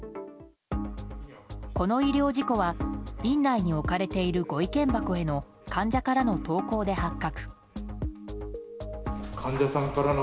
この医療事故は院内に置かれているご意見箱への患者からの投稿で発覚。